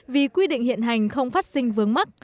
vì quy định hiện hành không phát sinh vướng mắt